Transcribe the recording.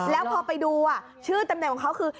แล้วพอไปดูชื่อตำแหน่งของเขาคือ